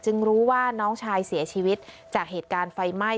รู้ว่าน้องชายเสียชีวิตจากเหตุการณ์ไฟไหม้